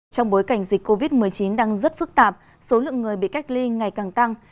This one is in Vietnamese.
trong bối cảnh dịch covid một mươi chín đang rất phức tạp số lượng người bị cách ly ngày càng tăng